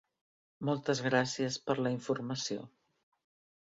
Moltes gràcies per la informació.